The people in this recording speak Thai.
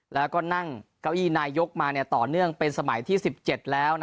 แล้วก็นั่งเก้าอี้นายกมาต่อเนื่องเป็นสมัยที่๑๗แล้ว